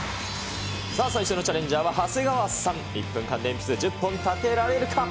さあ、最初のチャレンジャーは長谷川さん、１分間で鉛筆１０本立てられるか。